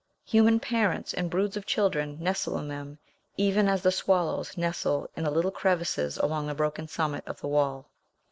Human parents and broods of children nestle in them, even as the swallows nestle in the little crevices along the broken summit of the wall.